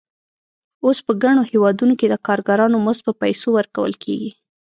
اوس په ګڼو هېوادونو کې د کارګرانو مزد په پیسو ورکول کېږي